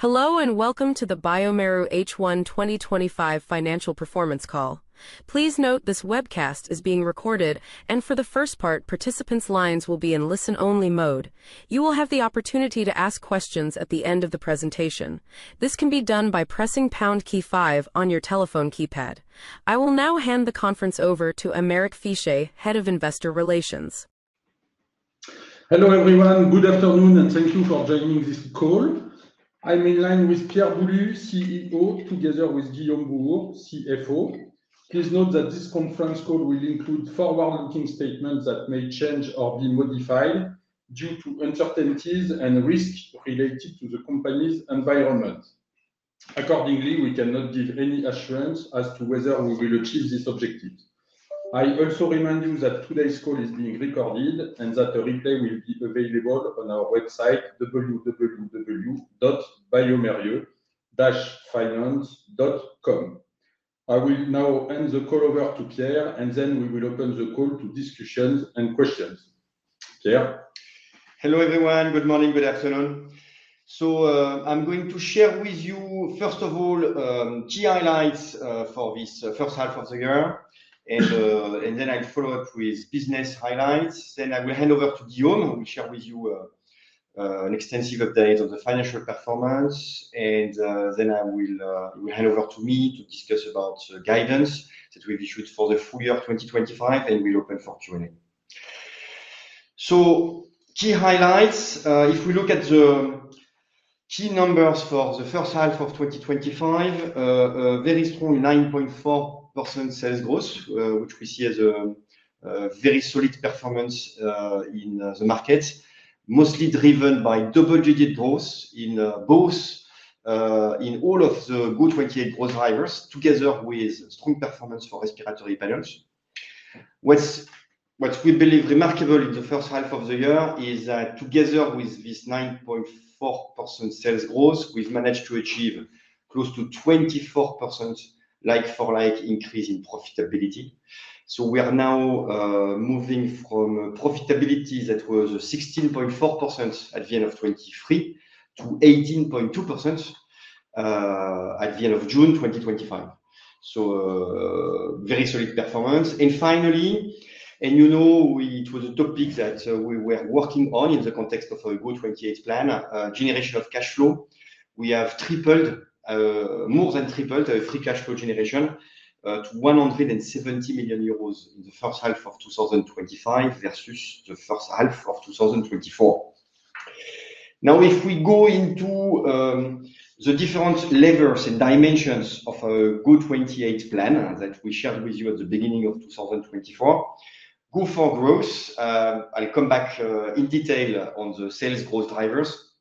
Hello and welcome to the BioMaru H1 twenty twenty five Financial Performance Call. Please note this webcast is being recorded and for the first part participants lines will be in listen only mode. You will have the opportunity to ask questions at the end of the presentation. I will now hand the conference over to Aymeric Fiche, Head of Investor Relations. Hello, everyone. Good afternoon, and thank you for joining this call. I'm in line with Pierre Boulud, CEO, together with Guillaume Rouault, CFO. Please note that this conference call will include forward looking statements that may change or be modified due to uncertainties and risks related to the company's environment. Accordingly, we cannot give any assurance as to whether we will achieve this objective. I also remind you that today's call is being recorded and that a replay will be available on our website, www.biomerieuxfinance.com. I will now hand the call over to Claire, and then we will open the call to discussions and questions. Claire? Hello, everyone. Good morning, good afternoon. So I'm going to share with you, first of all, key highlights this first half of the year, and and then I'll follow-up with business highlights. Then I will hand over to Dion who will share with you an extensive update of the financial performance, and then I will you will hand over to me to discuss about guidance that we've issued for the full year 2025, and we'll open for q and a. So key highlights. If we look at the key numbers for the 2025, very strong 9.4% sales growth, which we see as a very solid performance in the market, mostly driven by double digit growth in both in all of the good '28 growth drivers together with strong performance for respiratory balance. What's what's we believe remarkable in the first half of the year is that together with this 9.4% sales growth, we've managed to achieve close to 24% like for like increase in profitability. So we are now moving from profitability that was 16.4% at the '23 to 18.2% at the June 2025. So very solid performance. And finally and, you know, we it was a topic that we were working on in the context of our goal '28 plan, generation of cash flow. We have tripled more than tripled our free cash flow generation to €170,000,000 in the 2025 versus the 2024. Now if we go into the different levers and dimensions of a good '28 plan that we shared with you at the beginning of two thousand twenty four, go for growth. I'll come back in detail on the sales growth drivers.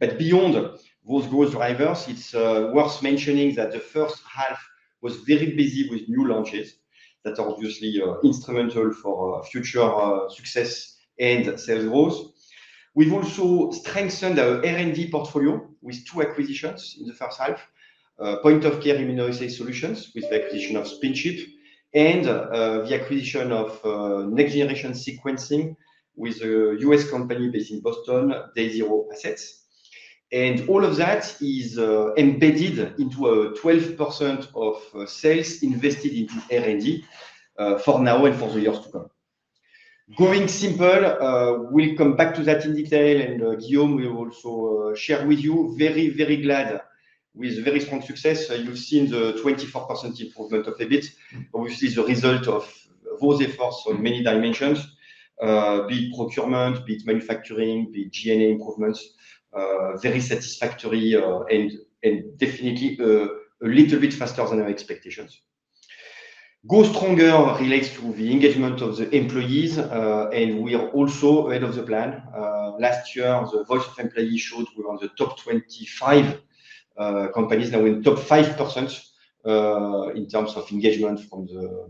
But beyond those growth drivers, it's worth mentioning that the first half was very busy with new launches that are obviously instrumental for future success and sales growth. We've also strengthened our a and d portfolio with two acquisitions in the first half, point of care immunoassay solutions with the acquisition of SpinCheet and the acquisition of next generation sequencing with a US company based in Boston, DayZero assets. And all of that is embedded into a 12% of sales invested into l and d for now and for the years to come. Going simple, we'll come back to that in detail, and Guillaume, we will also share with you very, very glad with very strong success. You've seen the 24% improvement of EBIT, but we see the result of those efforts on many dimensions, big procurement, big manufacturing, big g and a improvements, very satisfactory and and definitely a little bit faster than our expectations. Go stronger relates to the engagement of the employees, and we are also ahead of the plan. Last year, the voice of employee showed we're on the top 25 companies that were in top 5% in terms of engagement from the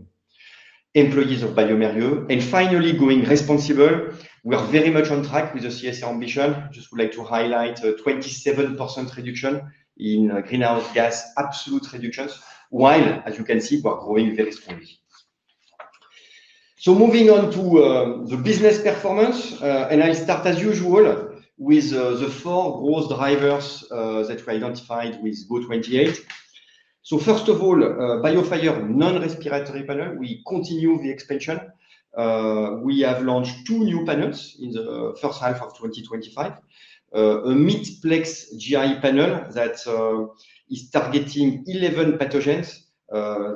employees of BioMarieux. And finally, going responsible, we are very much on track with the CSR mission. Just would like to highlight 27% reduction in greenhouse gas absolute reductions while, as you can see, we're growing very strongly. So moving on to the business performance, and I start as usual with the four growth drivers that we identified with GO '28. So first of all, BioFire nonrespiratory panel, we continue the expansion. We have launched two new panels in the 2025. A mid plex GI panel that is targeting 11 pathogens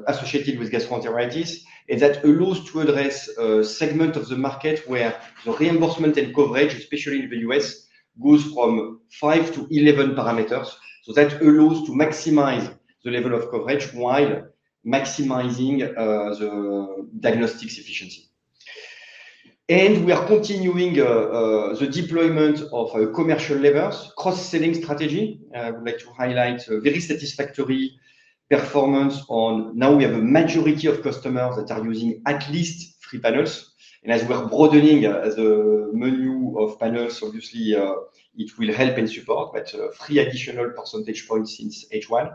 associated with gastroenteritis, and that allows to address a segment of the market where the reimbursement and coverage, especially in The US, goes from five to 11 parameters. So that allows to maximize the level of coverage while maximizing the diagnostics efficiency. And we are continuing the deployment of our commercial levers, cross selling strategy, like to highlight a very satisfactory performance on now we have a majority of customers that are using at least three panels. And as we're broadening as a menu of panels, obviously, it will help and support, but three additional percentage points since h one.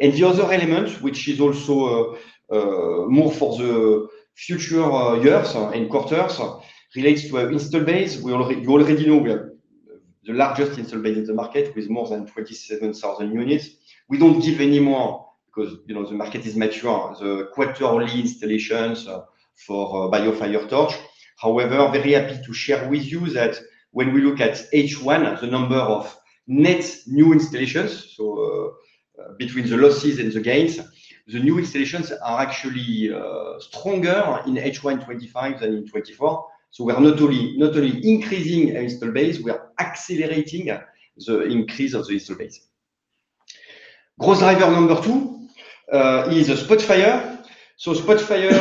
And the other element, which is also more for the future years or in quarters, relates to our installed base. We already you already know we are the largest installed base in the market with more than 27,000 units. We don't give anymore because, you know, the market is mature. So quite early installations for BioFireTouch. However, I'm very happy to share with you that when we look at h one, the number of net new installations, so between the losses and the gains, the new installations are actually stronger in h one twenty five than in '24. We So are not only not only increasing our installed base, we are accelerating the increase of the installed base. Growth driver number two is Spotfire. So Spotfire,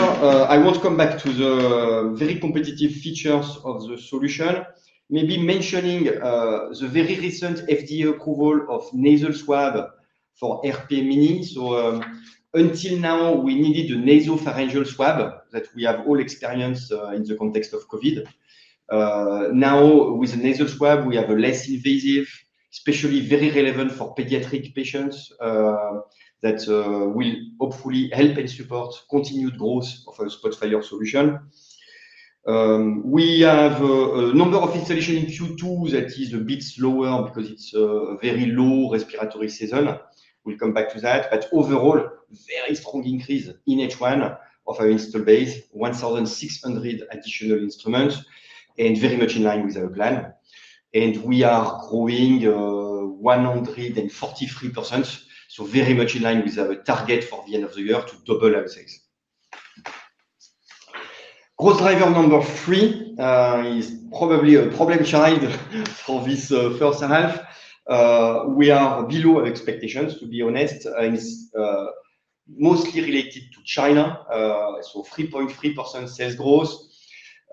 I want to come back to the very competitive features of the solution, maybe mentioning the very recent FDA approval of nasal swab for. So until now, we needed a nasal pharyngeal swab that we have all experienced in the context of COVID. Now with nasal swab, we have a less invasive, especially very relevant for pediatric patients that will hopefully help and support continued growth of our spot failure solution. We have a number of installation in q two that is a bit slower because it's a very low respiratory season. We'll come back to that. But overall, very strong increase in h one of our installed base, 1,600 additional instruments and very much in line with our plan. And we are growing 143%, so very much in line with our target for the end of the year to double up six. Growth driver number three is probably a problem child for this first half. We are below expectations, to be honest, and it's mostly related to China. So 3.3% sales growth.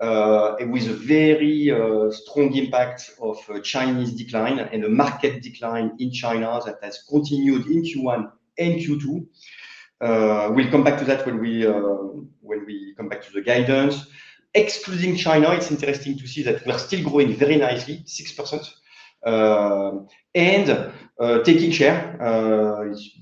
It was a very strong impact of Chinese decline and the market decline in China that has continued in q one and q two. We'll come back to that when we when we come back to the guidance. Excluding China, it's interesting to see that we're still growing very nicely, 6%. And taking share is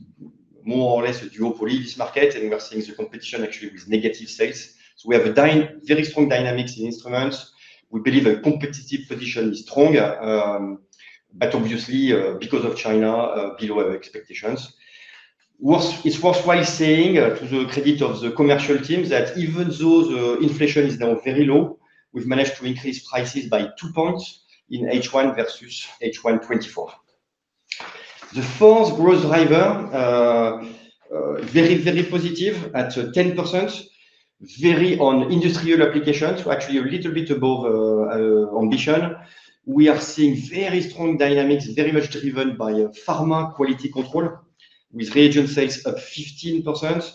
more or less with your colleagues market, and we are seeing the competition actually with negative sales. So we have a dine very strong dynamics in instruments. We believe our competitive position is stronger, but, obviously, because of China, below our expectations. What's it's worthwhile saying to the credit of the commercial teams that even though the inflation is now very low, we've managed to increase prices by two points in h one versus h one twenty four. The fourth growth driver, very, very positive at 10%, very on industrial applications. We're actually a little bit above ambition. We are seeing very strong dynamics very much driven by pharma quality control with the agent sales of 15%.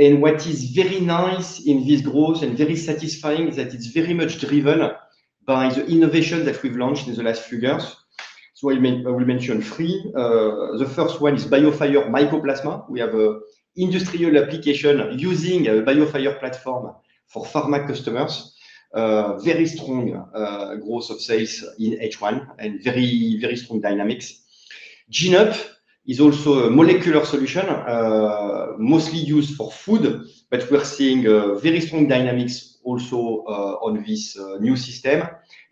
And what is very nice in these growth and very satisfying is that it's very much driven by the innovation that we've launched in the last few years. So I mean, I will mention three. The first one is BioFire microplasma. We have a industrial application using BioFire platform for pharma customers. Very strong growth of sales in h one and very, very strong dynamics. GNUP is also a molecular solution mostly used for food, but we're seeing very strong dynamics also on this new system.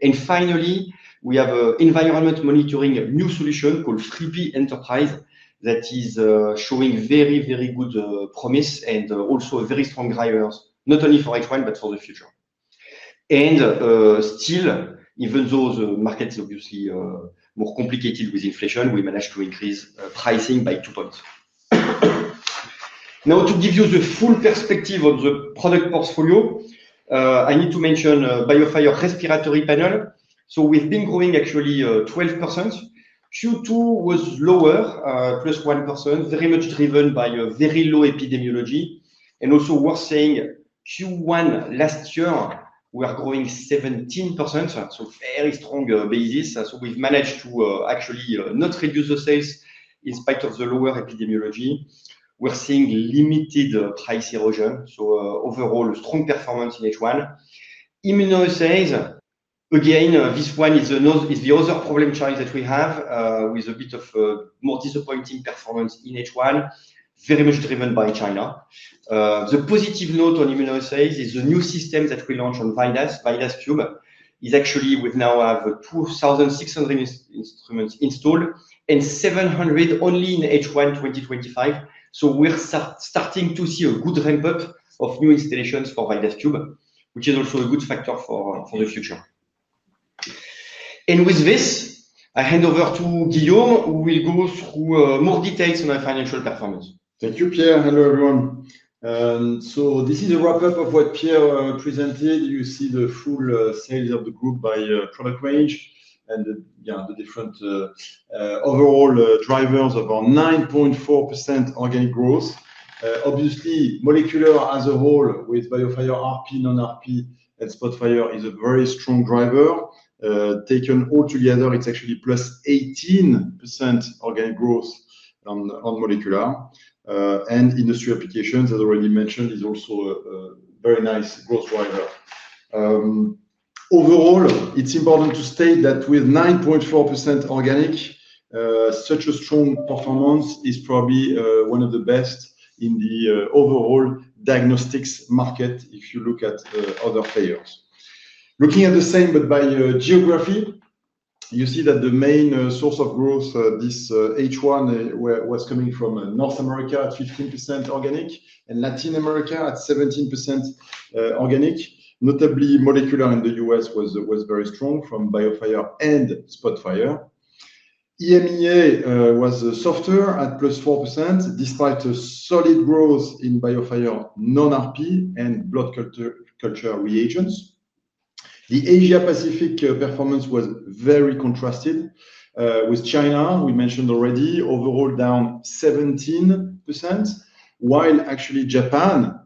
And finally, we have a environment monitoring of new solution called Skippy Enterprise that is showing very, very good promise and also very strong drivers, not only for h one, but for the future. And still, even though the markets obviously are more complicated with inflation, we managed to increase pricing by two points. Now to give you the full perspective of the product portfolio, I need to mention Biofire respiratory panel. So we've been growing actually 12%. Q two was lower, plus 1%, very much driven by a very low epidemiology. And also worth saying, one last year, are we growing 17%. So very stronger basis as we've managed to actually not reduce the sales in spite of the lower epidemiology. We're seeing limited price erosion. So overall, strong performance in h one. Immunoassays, again, this one is a note is the other problem, China, that we have with a bit of more disappointing performance in h one, very much driven by China. The positive note on immunoassays is the new system that we launched on Vynas Vynas cube, is actually we now have 2,600 instruments installed and 700 only in h one twenty twenty five. So we're start starting to see a good ramp up of new installations for Vynas cube, is also a good factor for for the future. And with this, I hand over to Guillaume, who will go through more details on our financial performance. Thank you, Pierre. Hello, everyone. So this is a wrap up of what Pierre presented. You see the full sales of the group by product range and the different overall drivers of our 9.4% organic growth. Obviously, Molecular as a whole with BioFire RP, non RP and Spotfire is a very strong driver. Taken altogether, it's actually plus 18% organic growth on on molecular. And industry applications, as already mentioned, is also a very nice growth driver. Overall, it's important to state that with 9.4% organic, such a strong performance is probably one of the best in the overall diagnostics market if you look at other players. Looking at the same but by geography, you see that the main source of growth this h one was coming from North America at 15% organic and Latin America at 17% organic. Notably, molecular in The US was was very strong from BioFire and Spotfire. EMEA was softer at plus 4% despite a solid growth in BioFire non RP and blood culture culture reagents. The Asia Pacific performance was very contrasted with China, we mentioned already, overall down 17%, while actually Japan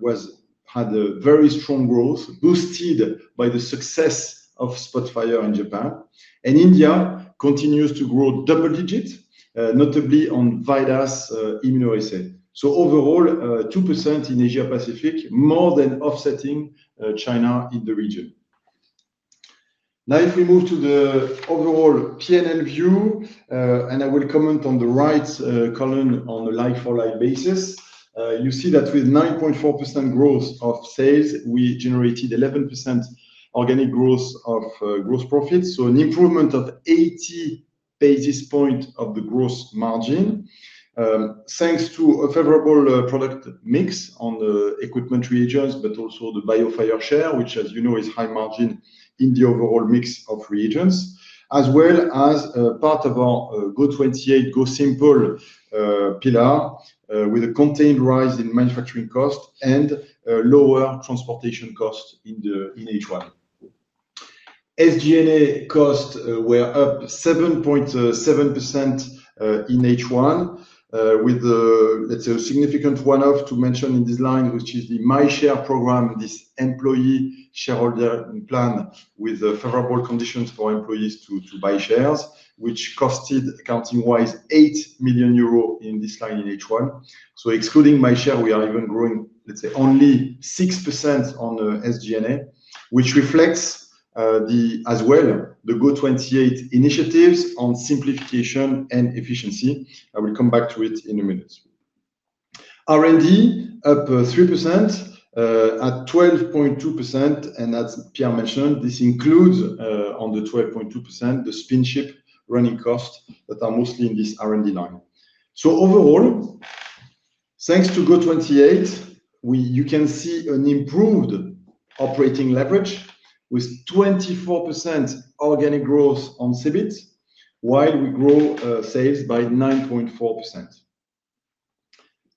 was had a very strong growth boosted by the success of Spotfire in Japan. And India continues to grow double digit notably on Vidas immunoassay. So overall, 2% in Asia Pacific more than offsetting China in the region. Now if we move to the overall P and L view, and I will comment on the right column on a like for like basis. You see that with 9.4% growth of sales, we generated 11% organic growth of gross profit, so an improvement of 80 basis point of the gross margin, thanks to a favorable product mix on the equipment reagents, but also the BioFire share, which as you know is high margin in the overall mix of reagents, as well as part of our GO28 Go Simple pillar with a contained rise in manufacturing cost and lower transportation cost in the in H1. SG and A costs were up 7.7% in H1 with, let's say, a significant one off to mention in this line, which is the MyShare program, this employee shareholder plan with favorable conditions for employees to buy shares, which costed accounting wise €8,000,000 in this line in H1. So excluding MyShare, we are even growing, let's say, only 6% on SG and A, which reflects the as well the GO28 initiatives on simplification and efficiency. I will come back to it in a minute. R and D, up 3%, at 12.2%. And as Pierre mentioned, this includes on the 12.2%, the spin ship running costs that are mostly in this R and D line. So overall, thanks to GO28, you can see an improved operating leverage with 24% organic growth on CBIT, while we grow sales by 9.4%.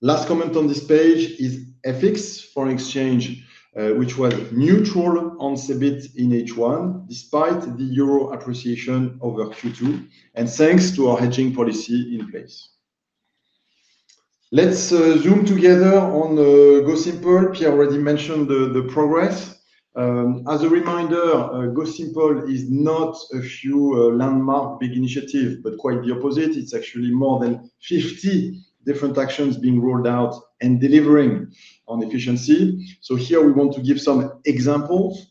Last comment on this page is FX foreign exchange, which was neutral on EBIT in H1 despite the euro appreciation over Q2 and thanks to our hedging policy in place. Let's zoom together on the Go Simple. Pierre already mentioned the the progress. As a reminder, Go Simple is not a few landmark big initiative, but quite the opposite. It's actually more than 50 different actions being rolled out and delivering on efficiency. So here, we want to give some examples.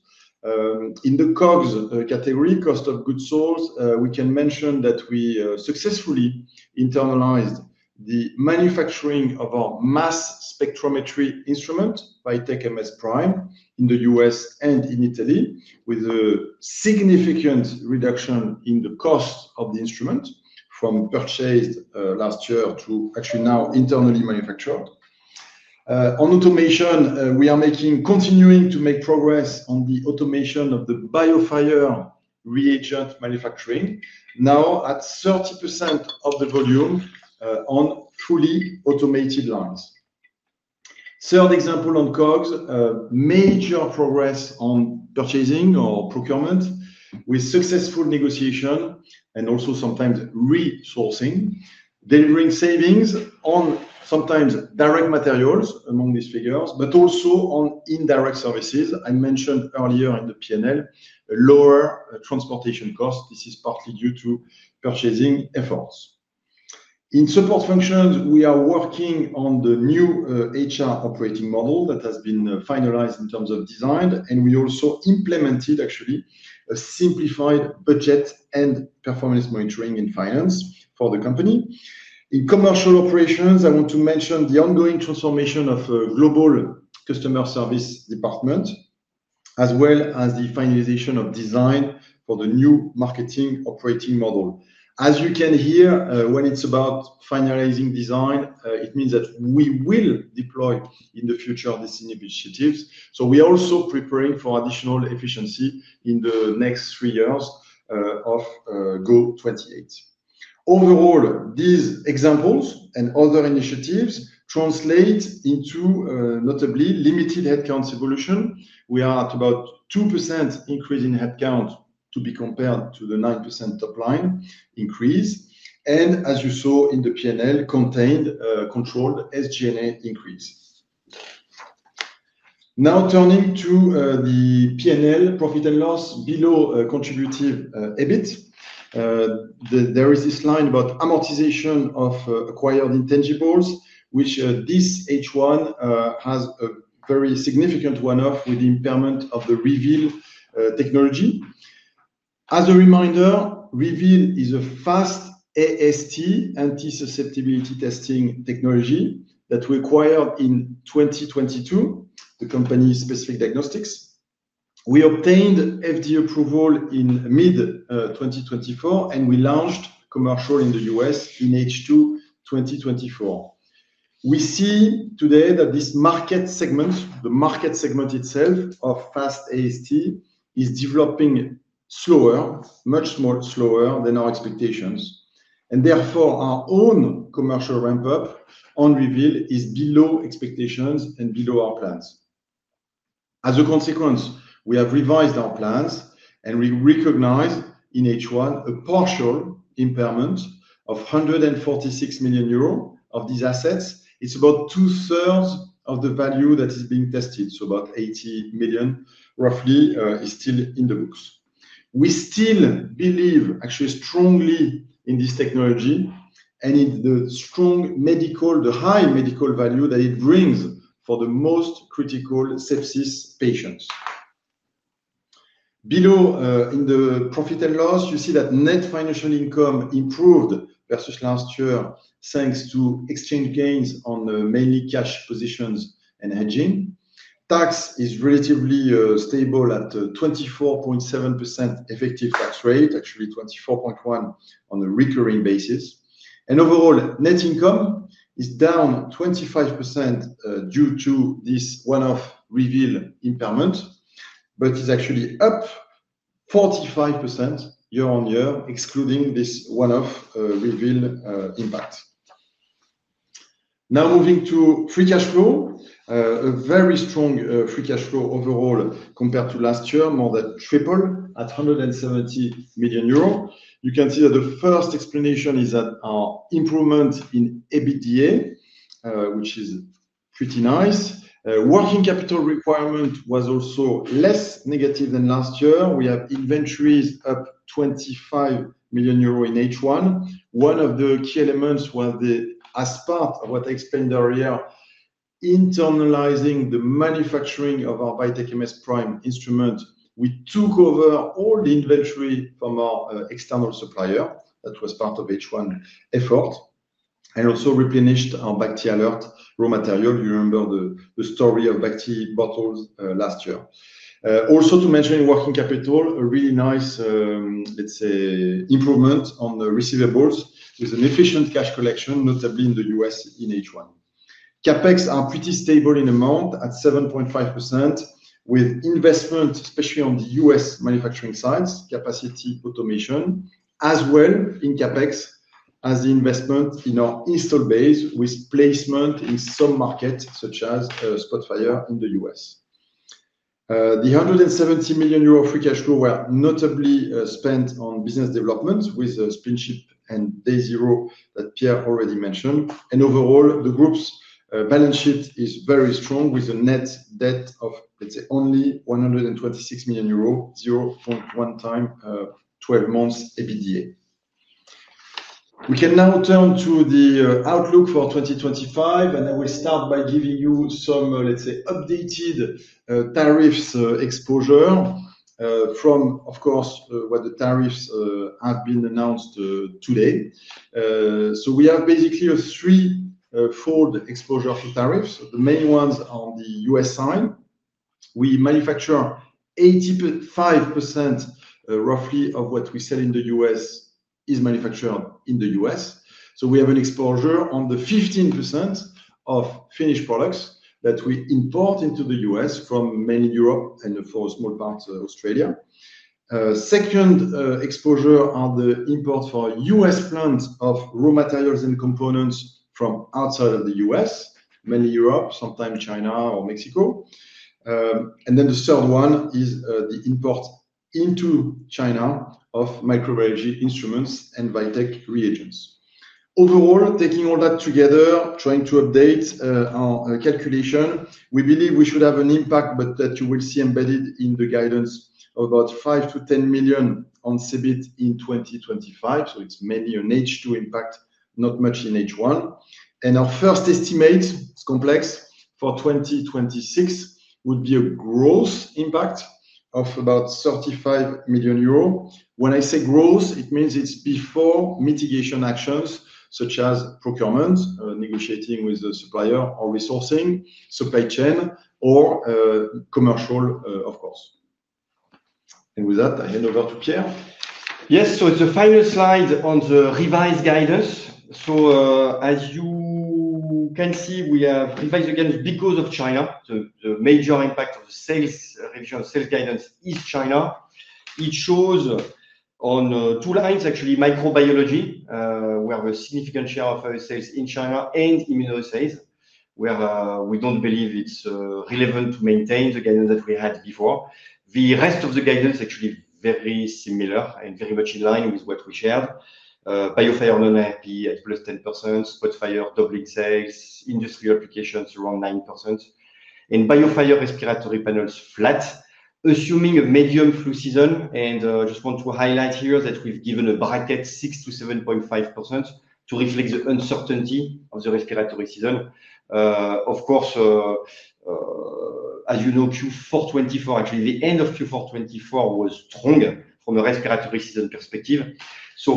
In the COGS category, cost of goods sold, we can mention that we successfully internalized the manufacturing of our mass spectrometry instrument by Tech MS PRIME in The U. S. And in Italy, with a significant reduction in the cost of the instrument from purchased last year to actually now internally manufactured. On automation, we are making continuing to make progress on the automation of the BioFire reagent manufacturing. Now at 30% of the volume on fully automated lines. Third example on COGS, major progress on purchasing or procurement with successful negotiation and also sometimes resourcing, delivering savings on sometimes direct materials among these figures, but also on indirect services. I mentioned earlier in the P and L, lower transportation costs. This is partly due to purchasing efforts. In support functions, we are working on the new HR operating model that has been finalized in terms of design, and we also implemented actually a simplified budget and performance monitoring in finance for the company. In commercial operations, I want to mention the ongoing transformation of global customer service department as well as the finalization of design for the new marketing operating model. As you can hear, when it's about finalizing design, it means that we will deploy in the future of these initiatives. So we're also preparing for additional efficiency in the next three years of GO '28. Overall, examples and other initiatives translate into notably limited headcount evolution. We are at about 2% increase in headcount to be compared to the 9% top line increase. And as you saw in the P and L contained controlled SG and A increase. Now turning to the P and L profit and loss below contributive EBIT. There is this line about amortization of acquired intangibles, which this H1 has a very significant one off with the impairment of the Reveal technology. As a reminder, Reveal is a fast AST, anti susceptibility testing technology, that we acquired in 2022, the company's specific diagnostics. We obtained FDA approval in mid-twenty twenty four, and we launched commercial in The U. S. In H2 twenty twenty four. We see today that this market segment, the market segment itself of Fast AST is developing slower, much more slower than our expectations. And therefore, our own commercial ramp up on Reveal is below expectations and below our plans. As a consequence, we have revised our plans and we recognized in H1 a partial impairment of €146,000,000 of these assets. It's about twothree of the value that is being tested, so about 80,000,000 roughly is still in the books. We still believe actually strongly in this technology and in the strong medical the high medical value that it brings for the most critical sepsis patients. Below in the profit and loss, you see that net financial income improved versus last year, thanks to exchange gains on the mainly cash positions and hedging. Tax is relatively stable at 24.7% effective tax rate, actually 24.1% on a recurring basis. And overall, net income is down 25% due to this one off reveal impairment, but is actually up 45% year on year excluding this one off reveal impact. Now moving to free cash flow. A very strong free cash flow overall compared to last year, more than tripled at €170,000,000 You can see that the first explanation is that our improvement in EBITDA, which is pretty nice. Working capital requirement was also less negative than last year. We have inventories up €25,000,000 in H1. One of the key elements was the as part of what I explained earlier, internalizing the manufacturing of our Vitech MS PRIME instrument. We took over all the inventory from our external supplier that was part of h one effort and also replenished our Bacti Alert raw material. You remember the the story of Bacti bottles last year. Also to mention working capital, a really nice, let's say, improvement on the receivables with an efficient cash collection notably in The US in h one. CapEx are pretty stable in amount at 7.5% with investment, especially on The US manufacturing sites, capacity automation, as well in CapEx as investment in our installed base with placement in some markets such as Spotfire in The U. S. The €170,000,000 free cash flow were notably spent on business developments with the SpinShip and DayZero that Pierre already mentioned. And overall, the group's balance sheet is very strong with a net debt of, let's say, only €126,000,000 0.1 time twelve months EBITDA. We can now turn to the outlook for 2025, and I will start by giving you some, let's say, updated tariffs exposure from, of course, what the tariffs have been announced today. So we have basically a three fold exposure for tariffs. The main ones are on The US side. We manufacture 85% roughly of what we sell in The US is manufactured in The US. So we have an exposure on the 15% of finished products that we import into The US from mainly Europe and, of course, small parts Australia. Second exposure are the imports for US plants of raw materials and components from outside of The US, mainly Europe, sometimes China or Mexico. And then the third one is the import into China of microbiology instruments and biotech reagents. Overall, taking all that together, trying to update our calculation, we believe we should have an impact, but that you will see embedded in the guidance of about 5,000,000 to €10,000,000 on SIBIIT in 2025. So it's mainly an h two impact, not much in H1. And our first estimate, it's complex, for 2026 would be a growth impact of about €35,000,000 When I say growth, it means it's before mitigation actions such as procurement, negotiating with the supplier or resourcing, supply chain, or commercial, of course. And with that, I hand over to Pierre. Yes. So it's a final slide on the revised guidance. So as you can see, we have in fact, again, because of China, the the major impact of sales reduction of sales guidance is China. It shows on two lines, actually, microbiology. We have a significant share of our sales in China and immunoassays. We have a we don't believe it's relevant to maintain the guidance that we had before. The rest of the guidance is actually very similar and very much in line with what we shared. Biophile on IP at plus 10, but fire of public sales, industry applications around 9%. And biophilia respiratory panels flat, assuming a medium flu season. And I just want to highlight here that we've given a bracket six We're to not not So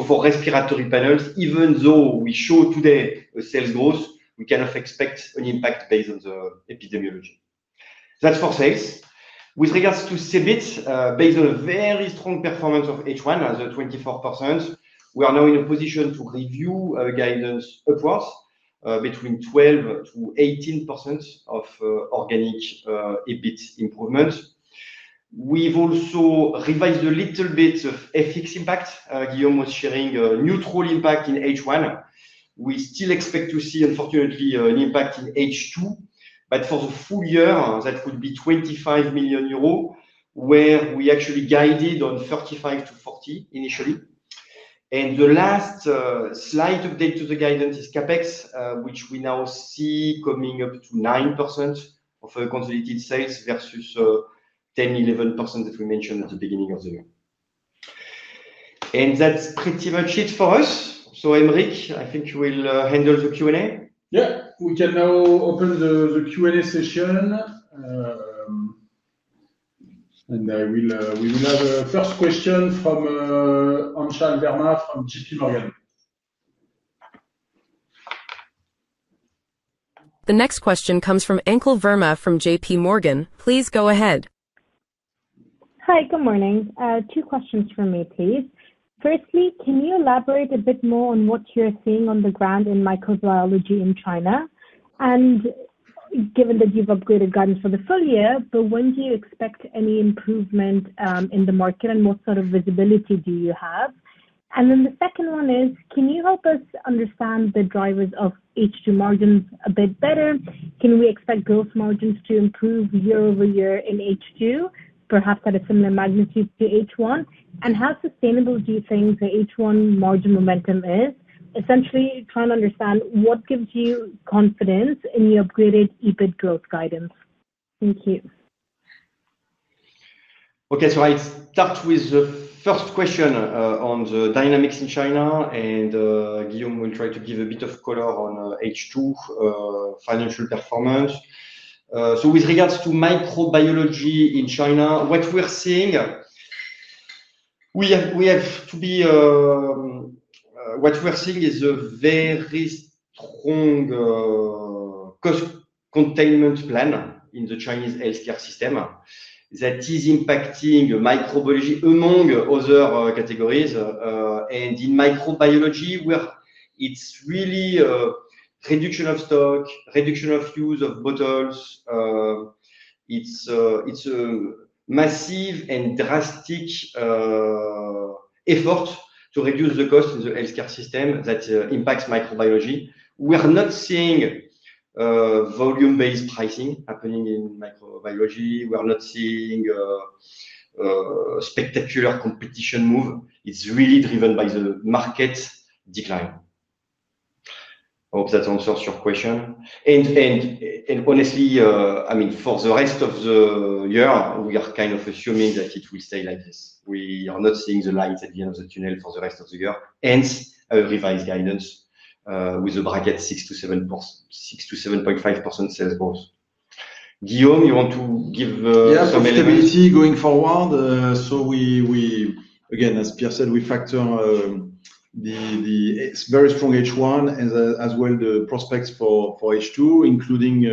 for respiratory that. Panels, even though we show We're today the sales growth, we cannot expect an impact based on the epidemiology. That's for sales. With regards to CebiT, based on a very strong performance of h one as a 24%, we are now in a position to review our guidance across between 12 to 18% of organic EBIT improvement. We've also revised a little bit of FX impact. Guillaume was sharing a neutral impact in h one. Still expect to see, unfortunately, an impact in h two. But for the full year, that would be €25,000,000, where we actually guided on 35 to 40 initially. And the last slight update to the guidance is CapEx, which we now see coming up to 9% of our consolidated sales versus 11% that we mentioned at the beginning of the year. And that's pretty much it for us. So, Henrik, I think you will handle the q and a. Yeah. We can now open the the q and a session, And I will have first question from Anshan Verma from JPMorgan. Please go ahead. Hi, good morning. Two questions from me, please. Firstly, can you elaborate a bit more on what you're seeing on the ground in microbiology in China? And given that you've upgraded guidance for the full year, but when do you expect any improvement in the market and what sort of visibility do you have? And then the second one is, can you help us understand the drivers of H2 margins a bit better? Can we expect gross margins to improve year over year in H2, perhaps that is in the magnitude to H1? And how sustainable do you think the H1 margin momentum is? Essentially, trying to understand what gives you confidence in the upgraded EBIT growth guidance? Thank you. Okay. So I start with the first question on the dynamics in China, and Guillaume will try to give a bit of color on h two financial performance. So with regards to microbiology in China, what we're seeing, we have we have to be what we're seeing is a very strong cost containment plan in the Chinese health care system that is impacting your microbiology among other categories. And in microbiology, we have it's really reduction of stock, reduction of use of bottles. It's a it's a massive and drastic effort to reduce the cost of the health care system that impacts microbiology. We are not seeing volume based pricing happening in microbiology. We are not seeing spectacular competition move. It's really driven by the market decline. Hope that answers your question. And and and, honestly, I mean, for the rest of the year, we are kind of assuming that it will stay like this. We are not seeing the light at the end of channel for the rest of the year. Hence, our revised guidance with a market six to seven six to 7.5% sales growth. Guillaume, you want to give Yes. Availability going forward. So we we again, as Pierre said, we factor the the it's very strong h one as as well the prospects for for h two, including,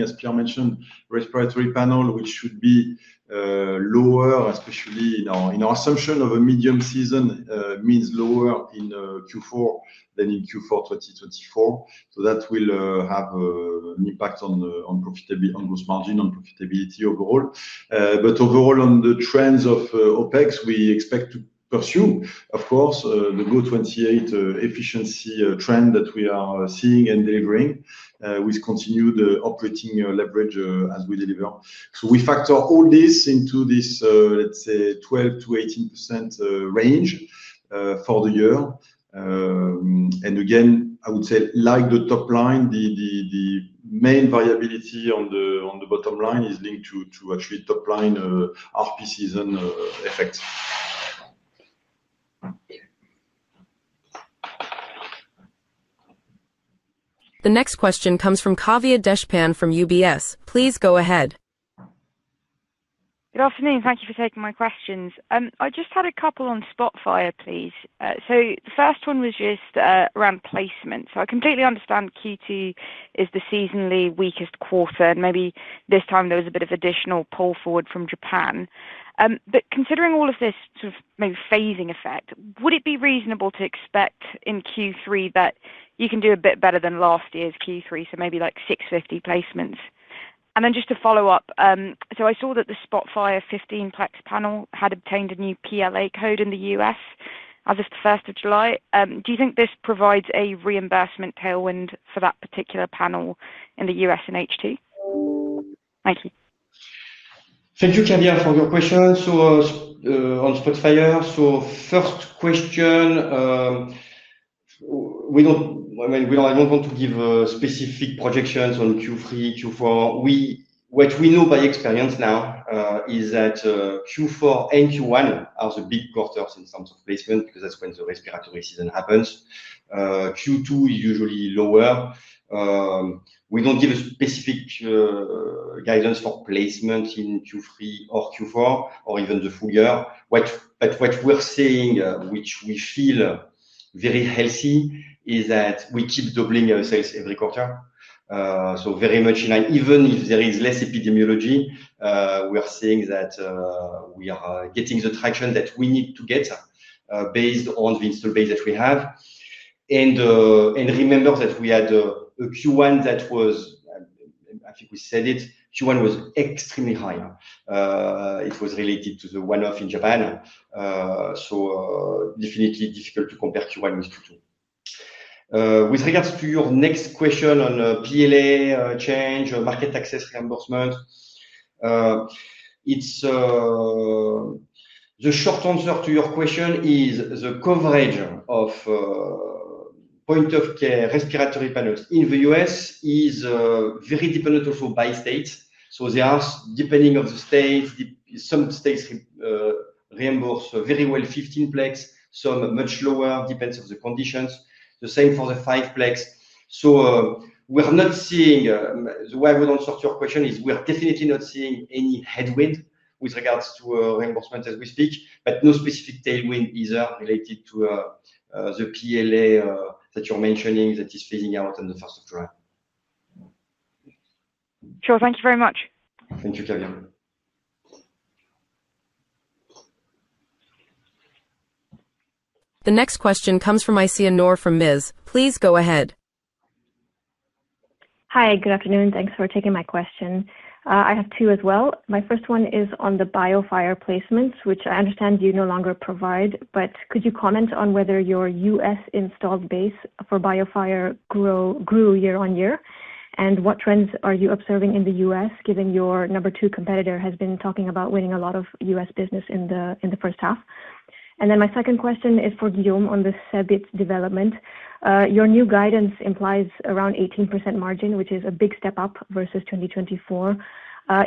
as Pierre mentioned, respiratory panel, which should be lower, especially in our in our assumption of a medium season means lower in Q4 than in Q4 twenty twenty four. So that will have an impact on profitability on gross margin and profitability overall. But overall, on the trends of OpEx, we expect to pursue, of course, the GO28 efficiency trend that we are seeing and delivering with continued operating leverage as we deliver. So we factor all this into this, let's say, 12% to 18% range for the year. And again, I would say, like the top line, the main viability on the bottom line is linked to actually top line RPCs and effects. The next question comes from Kavya Deshpand from UBS. Please go ahead. Good afternoon. Thank you for taking my questions. I just had a couple on Spotfire, please. So the first one was just around placement. So I completely understand Q2 is the seasonally weakest quarter. Maybe this time, there was a bit of additional pull forward from Japan. But considering all of this sort of maybe phasing effect, would it be reasonable to expect in Q3 that you can do a bit better than last year's Q3, so maybe like six fifty placements? And then just a follow-up. So I saw that the SPOTFIRE 15 plex panel had obtained a new PLA code in The U. S. As of the July 1. Do you think this provides a reimbursement tailwind for that particular panel in The U. S. In H2? Thank you. Thank you, Gabrielle, for your questions. So on Spotfire, first question, we don't I mean, we don't I don't want to give specific projections on q three, q four. We what we know by experience now is that q four and q one are the big quarters in terms of placement because that's the respiratory season happens. Q two usually lower. We don't give a specific guidance for placements in q three or q four or even the full year. What but what we're seeing, which we feel very healthy, is that we keep doubling our sales every quarter. So very much in line. Even if there is less epidemiology, we are seeing that we are getting the traction that we need to get based on the installed base that we have. And and remember that we had a q one that was I think we said it. Q one was extremely high. It was related to the one off in Japan. So definitely difficult to compare q one with q two. With regards to your next question on PLA change or market access reimbursement, it's the short answer to your question is the coverage of point of care respiratory panels in The US is very dependent also by state. So they are depending of the state. Some states reimburse very well 15 plex, some much lower, depends on the conditions. The same for the five plex. So we're not seeing the way we don't sort your question is we're definitely not seeing any headwind with regards to reimbursement as we speak, but no specific tailwind either related to the PLA that you're mentioning that is filling out in the July 1. Sure. Thank you very much. Thank you, Kalyan. The next question comes from Isiah Noor from Ms. I have two as well. My first one is on the BioFire placements, which I understand you no longer provide. But could you comment on whether your U. S. Installed base for BioFire grew year on year? And what trends are you observing in The U. S. Given your number two competitor has been talking about winning a lot of U. S. Business in the first half? Then my second question is for Guillaume on the CEBIT development. Your new guidance implies around 18% margin, which is a big step up versus 2024.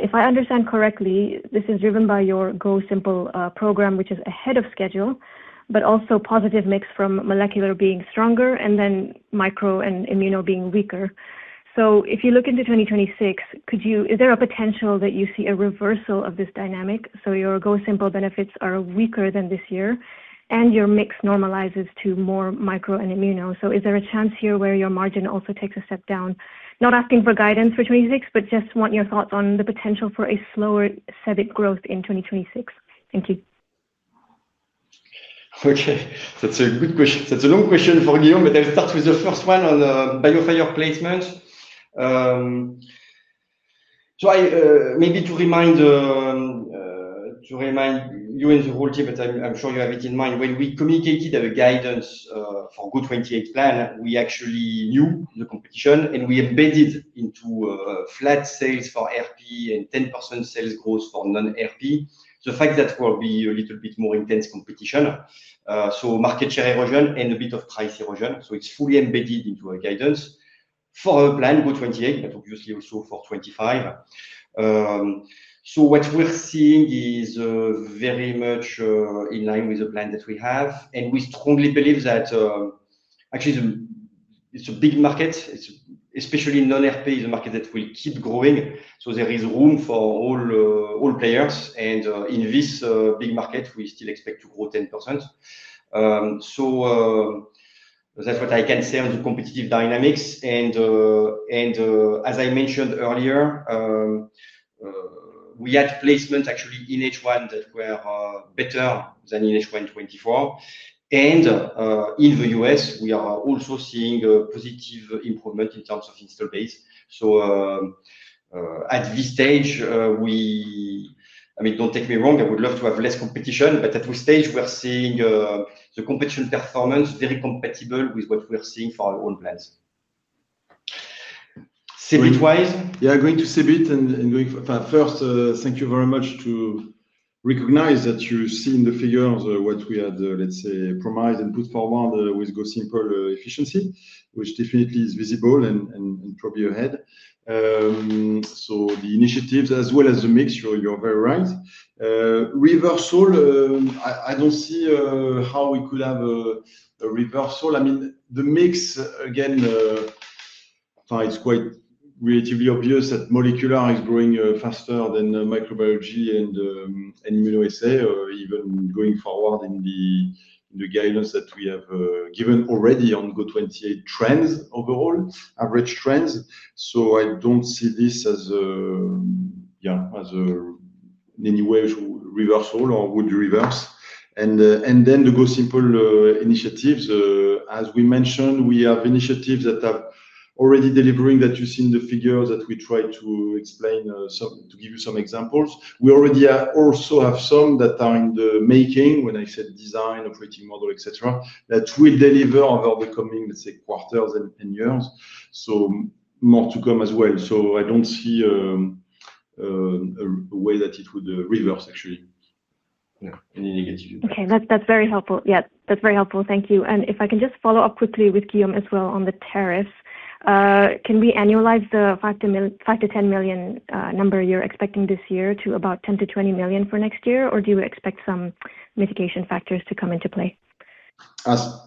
If I understand correctly, this is driven by your Go Simple program, which is ahead of schedule, but also positive mix from molecular being stronger and then micro and immuno being weaker. So if you look into 2026, could you is there a potential that you see a reversal of this dynamic? So your Go Simple benefits are weaker than this year and your mix normalizes to more micro and immuno. So is there a chance here where your margin also takes a step down? Not asking for guidance for 2026, but just want your thoughts on the potential for a slower SEBIC growth in 2026. Thank you. Okay. That's a good question. That's a long question for Liam, but I'll start with the first one on the biofayer placement. So I maybe to remind to remind you and the whole team, but I'm I'm sure you have it in mind. When we communicated the guidance for good '28 plan, we actually knew the competition, and we embedded into flat sales for FP and 10% sales growth for non FP. So the fact that we'll be a little bit more intense competition. So market share erosion and a bit of price erosion. So it's fully embedded into our guidance for our plan with '28, but obviously also for '25. So what we're seeing is very much in line with the plan that we have, and we strongly believe that actually, it's a big market. It's especially non FP is a market that will keep growing. So there is room for all all players. And in this big market, we still expect to grow 10%. So that's what I can say on the competitive dynamics. And and as I mentioned earlier, we had placement actually in h one that were better than in h one twenty four. And in The US, we are also seeing a positive improvement in terms of installed base. So at this stage, we I mean, don't take me wrong. I would love to have less competition, but at this stage, we are seeing the competition performance very compatible with what we are seeing for our own plans. Cebit wise? Yeah. I'm going to Cebit and and going first, thank you very much to recognize that you've seen the figures or what we had, let's say, promised and put forward with GoSimple efficiency, which definitely is visible and and and probably ahead. So the initiatives as well as the mix, sure, you're very right. Reversal, I I don't see how we could have a reversal. I mean, the mix, again, it's quite relatively obvious that molecular is growing faster than microbiology and immunoassay or even going forward in the the guidance that we have given already on GO 28 trends overall, average trends. So I don't see this as, yeah, as a in any way, to reversal or would reverse. And and then the go simple initiatives, as we mentioned, we have initiatives that are already delivering that you've seen the figures that we tried to explain some to give you some examples. We already have also have some that are in the making, when I said design, operating model, etcetera, that we deliver over the coming, let's say, quarters and and years. So more to come as well. So I don't see a way that it would reverse, actually. Yeah. And then you get to Okay. That's that's very helpful. Yeah. That's very helpful. Thank you. And if I can just follow-up quickly with Guillaume as well on the tariffs. Can we annualize the 5 to 5 to 10,000,000 number you're expecting this year to about 10,000,000 to €20,000,000 for next year? Or do you expect some mitigation factors to come into play?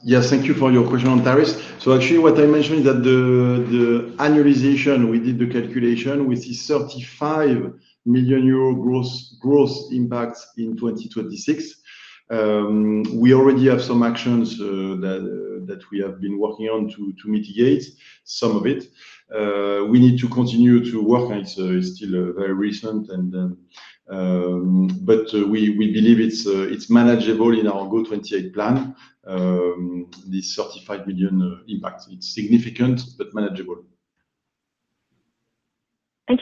Yes. Thank you for your question on tariffs. So actually, what I mentioned is that the annualization, we did the calculation, which is €35,000,000 gross gross impact in 2026. We already have some actions that that we have been working on to to mitigate some of it. We need to continue to work, and it's it's still very recent. And then but we we believe it's it's manageable in our go '28 plan. This 35,000,000 impact, it's significant but manageable. Thank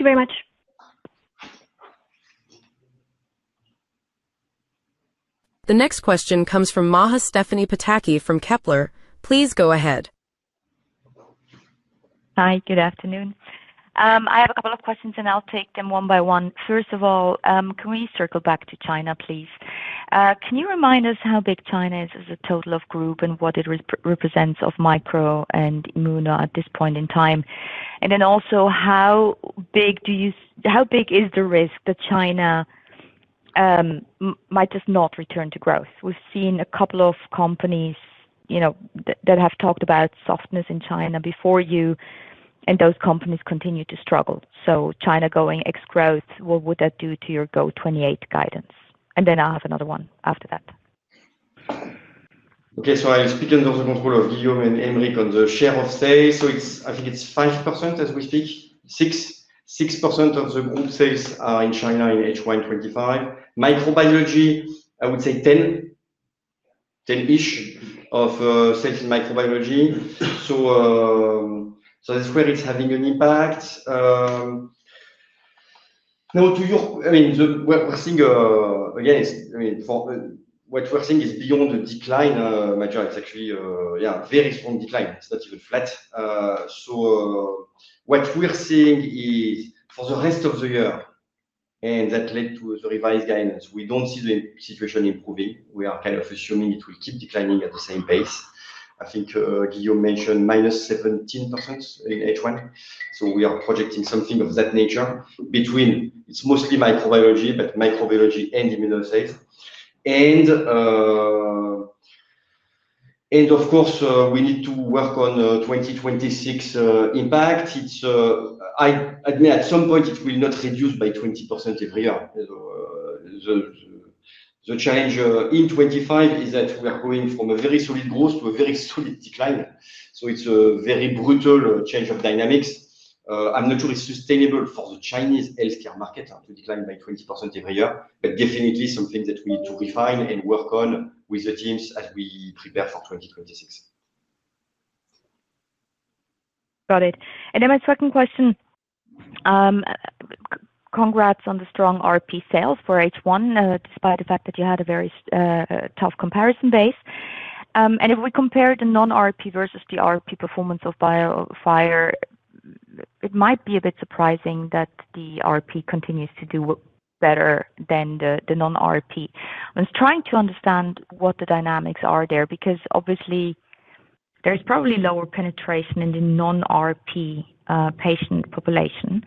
The next question comes from Maha Stephanie Pataki from Kepler. Hi, good afternoon. I have a couple of questions and I'll take them one by one. First of all, can we circle back to China, please? Can you remind us how big China is as a total of group and what it represents of micro and muna at this point in time? And then also how big do you how big is the risk that China might just not return to growth? We've seen a couple of companies that have talked about softness in China before you and those companies continue to struggle? So China going ex growth, what would that do to your GO '28 guidance? And then I'll have another one after that. Okay. So I'll speak under the control of Guillaume and Henrik on the share of sales. So it's I think it's 5% as we speak. 66% of the group sales are in China in h one twenty five. Microbiology, I would say ten ten ish of sales in microbiology. So so it's really having an impact. Now to your I mean, the what we're seeing again, it's I mean, for what we're seeing is beyond the decline, major. It's actually yeah. Very strong decline. That's good flat. So what we are seeing is for the rest of the year, and that led to the revised guidance, we don't see the situation improving. We are kind of assuming it will keep declining at the same pace. I think you mentioned minus 17% in h one. So we are projecting something of that nature between it's mostly microbiology, but microbiology and immunotherapies. And and, of course, we need to work on 2026 impact. It's I I mean, at some point, it will not reduce by 20% every year. So the change in '25 is that we are going from a very solid growth to a very solid decline. So it's a very brutal change of dynamics. I'm not sure it's sustainable for the Chinese health care market to decline by 20% every year, but definitely something that we need to refine and work on with the teams as we prepare for 2026. Got it. And then my second question, congrats on the strong RP sales for H1 despite the fact that you had a very tough comparison base. And if we compare the non RP versus the RP performance of BioFire, it might be a bit surprising that the RP continues to do better than the non RP. I was trying to understand what the dynamics are there because obviously there's probably lower penetration in the non RP patient population.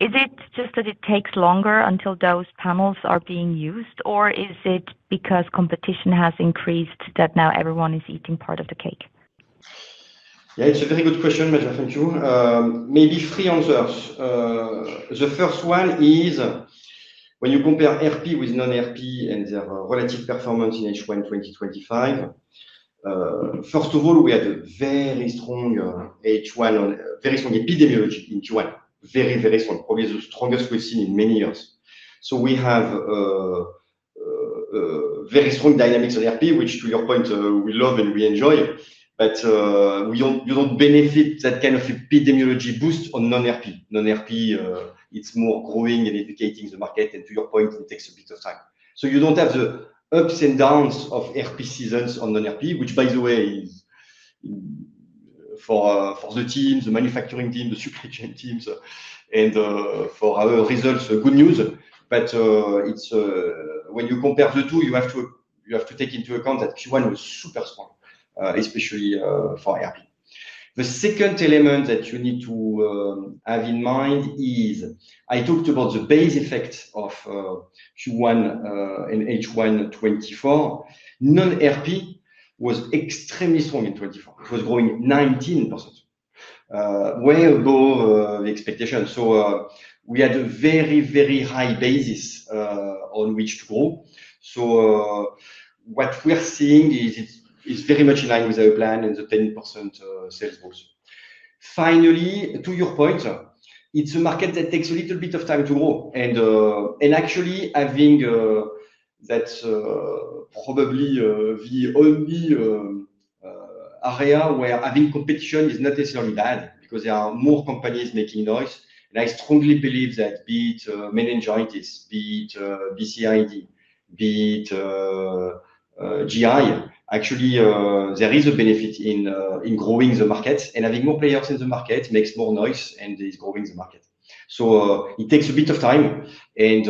Is it just that it takes longer until dose panels are being used? Or is it because competition has increased that now everyone is eating part of the cake? Yes. It's a very good question, Major. Thank you. Maybe three answers. The first one is when you compare FP with non FP and their quality performance in H1 twenty twenty five, First of all, we had a very strong h one on very strong epidemiology into a very, very strong probably the strongest we've seen in many years. So we have very strong dynamics of the IP, which to your point, we love and we enjoy. But we don't we don't benefit that kind of epidemiology boost on non RP. Non RP, it's more growing and educating the market. And to your point, it takes a bit of time. So you don't have the ups and downs of RP seasons on non RP, which, by the way, for for the teams, the manufacturing team, the supply chain teams, and for our results, good news. But it's when you compare the two, you have to you have to take into account that q one was super strong, especially for a r p. The second element that you need to have in mind is I talked about the base effect of q one in h one twenty four. Non f p was extremely strong in '24. It was growing 19%, way above the expectation. So we had a very, very high basis on which to go. So what we are seeing is it's it's very much in line with our plan and the 10% sales force. Finally, to your point, it's a market that takes a little bit of time to grow. And and, actually, I think that's probably the only area where I think competition is not necessarily bad because there are more companies making noise. And I strongly believe that be it many jointists, it BCID, be it GI. There is a benefit in in growing the market, and having more players in the market makes more noise and is growing the market. So it takes a bit of time, and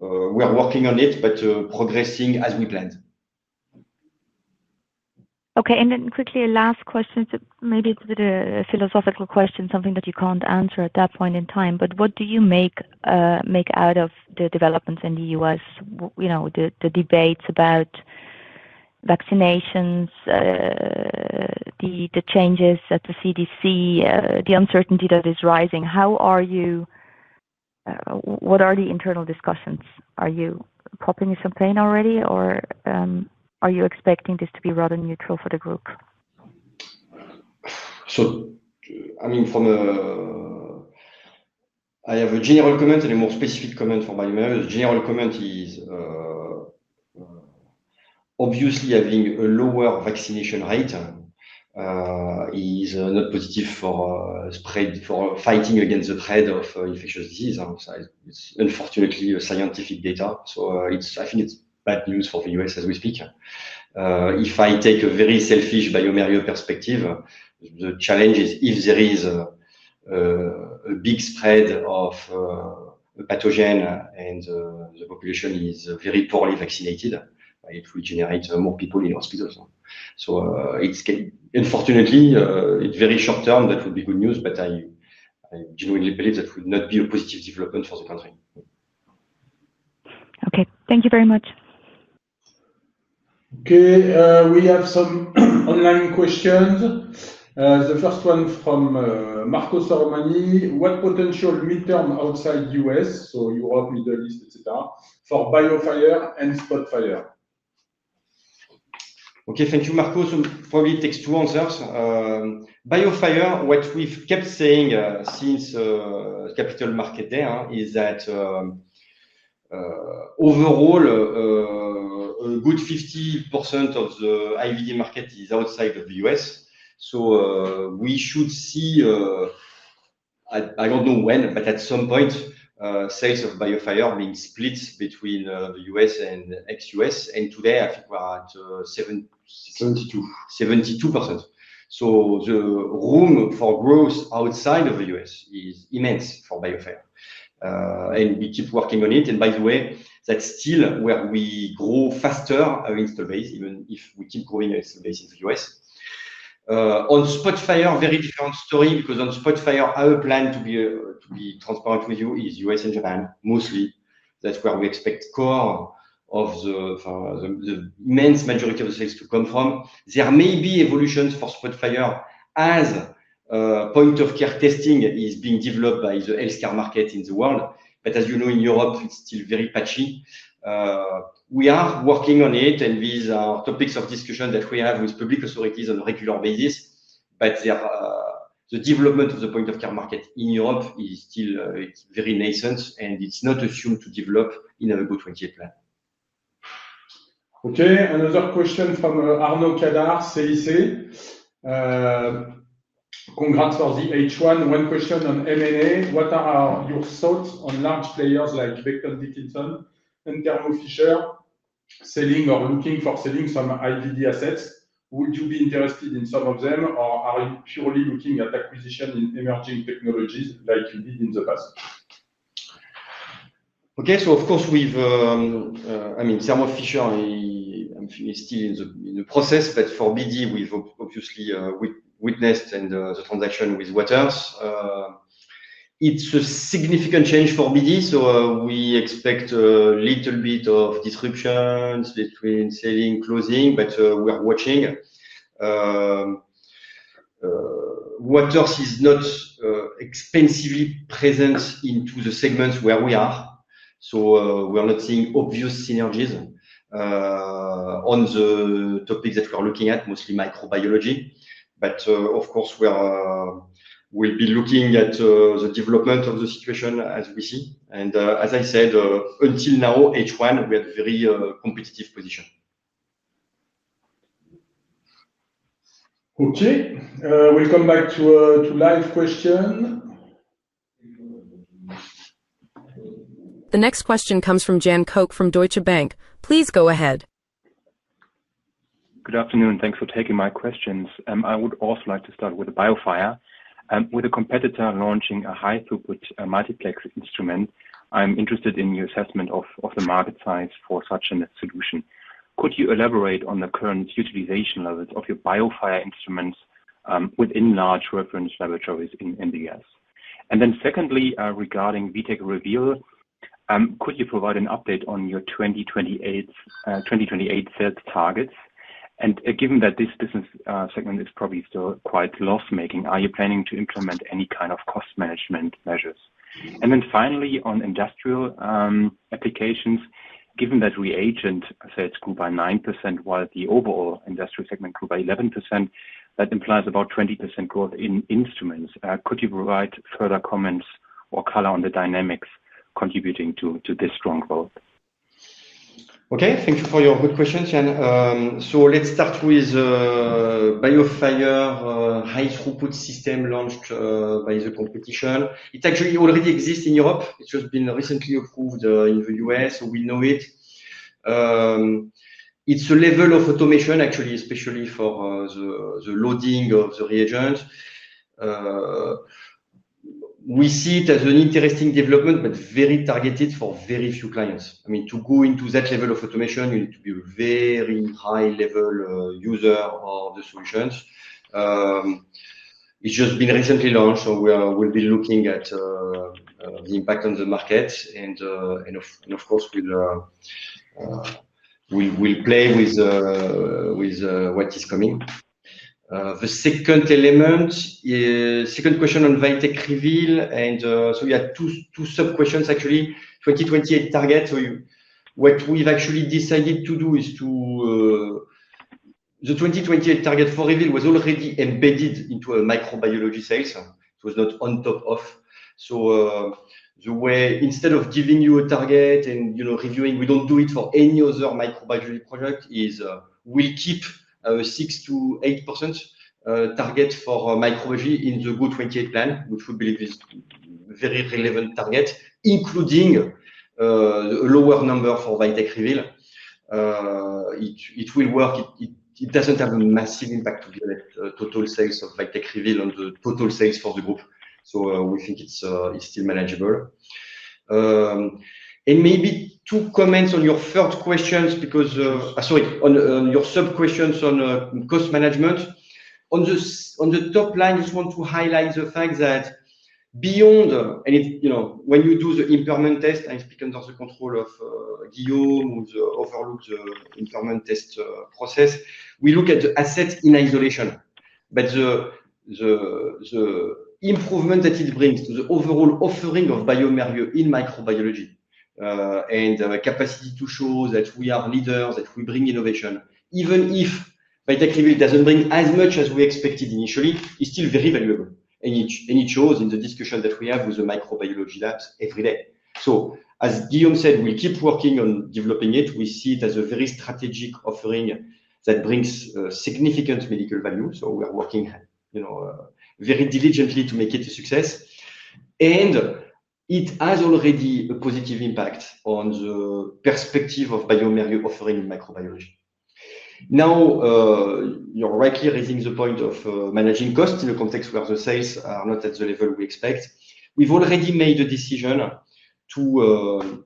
we are working on it, but progressing as we planned. Okay. And then quickly a last question, maybe a bit of a philosophical question, something that you can't answer at that point in time. But what do you make out of the developments in The U. S, the debates about vaccinations, the changes at the CDC, the uncertainty that is rising. How are you what are the internal discussions? Are you popping the campaign already? Or are you expecting this to be rather neutral for the group? So, I mean, from a I have a general comment and a more specific comment for my manager. General comment is obviously having a lower vaccination item is not positive for spread for fighting against the threat of infectious disease outside. It's unfortunately a scientific data, so it's I think it's bad news for The US as we speak. If I take a very selfish bio Mario perspective, the challenge is if there is a big spread of pathogen and the population is very poorly vaccinated, It will generate more people in hospitals. It's it's very short term. That would be good news, but I I generally believe that would not be a positive development for the country. Okay. Thank you very much. Okay. We have some online questions. The first one from Marco Saromani. What potential midterm outside US? So you are with the list, etcetera, for BioFire and Spotfire. Okay. Thank you, Marcos. Probably takes two answers. Biofire, what we've kept saying since Capital Market Day is that overall, a good 50% of the IVD market is outside of The US. So we should see I I don't know when, but at some point, sales of Biofare being split between The US and ex US. And today, think we're at seven Seventy two. 72%. So the room for growth outside of The US is immense for Biofare. And we keep working on it. And by the way, that's still where we grow faster, our installed base, even if we keep growing our installed base in The US. On Spotfire, very different story because on Spotfire, our plan to be to be transparent with you is US and Japan mostly. That's where we expect core of the for the the men's majority of the sales to come from. There may be evolutions for Spotfire as point of care testing that is being developed by the health care market in the world. But as you know, in Europe, it's still very patchy. We are working on it, and these are topics of discussion that we have with public authorities on a regular basis. But the the development of the point of care market in Europe is still very nascent, and it's not assumed to develop in a good twenty year plan. Okay. Another question from Arno Kedar, SAIC. Okay. So, of course, we've I mean, some of you are in the in the process, but for BD, we've obviously witnessed and the the transaction with what else. It's a significant change for BD, so we expect a little bit of descriptions between selling and closing, but we are watching. What does is not expensively present into the segments where we are, so we are not seeing obvious synergies on the topics that we are looking at, mostly microbiology. But, of course, we are we'll be looking at the development of the situation as we see. And as I said, until now, h one, we have very competitive position. Okay. We'll come back to live question. The next question comes from Jan Koch from Deutsche Bank. Please go ahead. Good afternoon. Thanks for taking my questions. I would also like to start with BioFire. With a competitor launching a high throughput multiplex instrument, I'm interested in your assessment of the market size for such a net solution. Could you elaborate on the current utilization levels of your BioPharma instruments within large reference laboratories in The U. S? And then secondly, regarding VTechReveal, could you provide an update on your 2028 sales targets? And given that this business segment is probably still quite loss making, are you planning to implement any kind of cost management measures? And then finally, on Industrial Applications, given that reagent sales grew by 9%, while the overall Industrial segment grew by 11%, that implies about 20% growth in instruments. Could you provide further comments or color on the dynamics contributing to this strong growth? Okay. Thank you for your good questions, Chen. So let's start with BioFire high throughput system launched by the competition. It actually already exists in Europe. It's just been recently approved in The US, so we know it. It's a level of automation, actually, especially for the the loading of the reagent. We see it as an interesting development, but very targeted for very few clients. I mean, to go into that level of automation, need to be very high level user of the solutions. It's just been recently launched, so we are we'll be looking at the impact on the market. And and of and, of course, we'll we'll play with with what is coming. The second element is second question on Vitek reveal. And so we had two two sub questions actually. 2028 target. So what we've actually decided to do is to the 2028 target for review was already embedded into a microbiology sales. It was not on top of so the way instead of giving you a target and, you know, reviewing, we don't do it for any other microbiology product is we keep six to 8% target for microbiology in the GOO '28 plan, which would be this very relevant target, including lower number for Vitek reveal. It it will work. It it it doesn't have a massive impact to the total sales of Vitek reveal on the total sales for the group. So we think it's it's still manageable. And maybe two comments on your third questions because sorry. On on your sub questions on cost management. On this on the top line, I just want to highlight the fact that beyond and if, you know, when you do the impairment test and speak in terms of control of the overall the impairment test process, we look at the assets in isolation. But the the improvement that it brings to the overall offering of biomedical in microbiology and the capacity to show that we are leaders, that we bring innovation even if by technically, it doesn't bring as much as we expected initially, it's still very valuable. And it and it shows in the discussion that we have with the microbiology labs every day. So as Guillaume said, we keep working on developing it. We see it as a very strategic offering that brings significant medical value. So we are working, you know, very diligently to make it a success. And it has already a positive impact on the perspective of BioMarket offering in microbiology. Now you're right here. I think the point of managing cost in the context where the sales are not at the level we expect. We've already made the decision to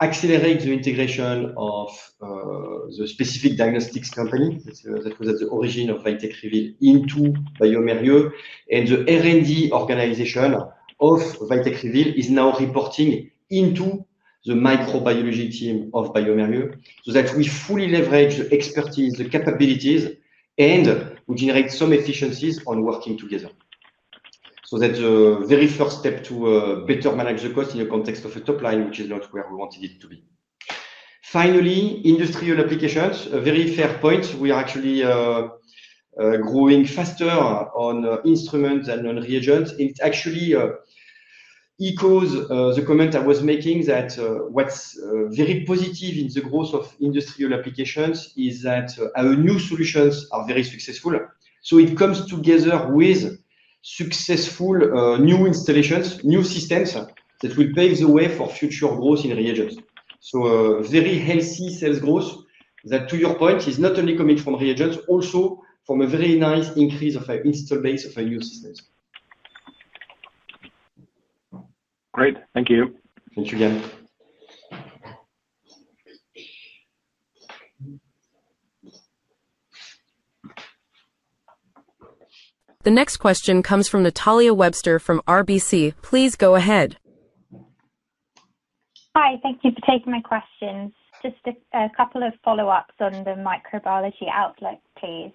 accelerate the integration of the specific diagnostics company. That's the that's the origin of Vitek Reveal into BioMarule. And the r and d organization of Vitek Reveal is now reporting into the microbiology team of BioMarieux so that we fully leverage the expertise, the capabilities, and we generate some efficiencies on working together. So that's a very first step to better manage the cost in the context of the top line, which is not where we wanted it to be. Finally, industrial applications, a very fair point. We are actually growing faster on instruments and non reagents. It actually equals the comment I was making that what's very positive in the growth of industrial applications is that our new solutions are very successful. It comes together with successful new installations, new systems that will pave the way for future growth in reagents. So very healthy sales growth that, to your point, is not only coming from reagents, also from a very nice increase of our installed base of our new systems. Great. Thank you. Thanks again. The next question comes from Natalia Webster from RBC. Please go ahead. Hi, thank you for taking my questions. Just a couple of follow ups on the microbiology outlook, please.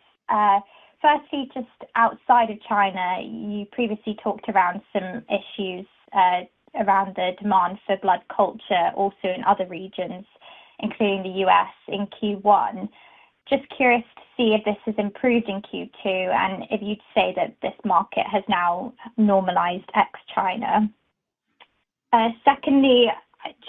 Firstly, just outside of China, you previously talked around some issues around the demand for blood culture also in other regions, including The U. S. In Q1. Just curious to see if this has improved in Q2 and if you'd say that this market has now normalized ex China? Secondly,